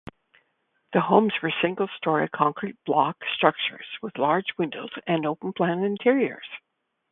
The homes were single-story concrete block structures with large windows and open-plan interiors.